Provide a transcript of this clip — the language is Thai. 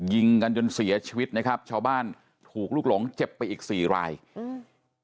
ยิงกันจนเสียชีวิตนะครับชาวบ้านถูกลูกหลงเจ็บไปอีกสี่รายอืม